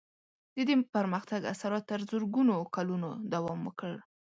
د دې پرمختګ اثرات تر زرګونو کلونو دوام وکړ.